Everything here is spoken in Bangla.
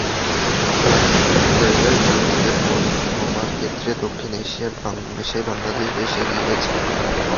খোলা জায়গায় মলত্যাগের প্রবণতা কমার ক্ষেত্রে দক্ষিণ এশিয়ায় বাংলাদেশ বেশ এগিয়ে গেছে।